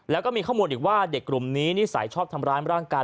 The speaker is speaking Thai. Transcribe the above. แล้วก็มีข้อมูลอีกว่าเด็กกลุ่มนี้นิสัยชอบทำร้ายร่างกาย